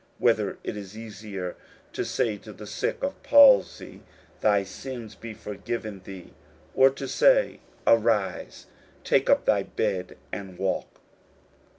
41:002:009 Whether is it easier to say to the sick of the palsy, Thy sins be forgiven thee; or to say, Arise, and take up thy bed, and walk?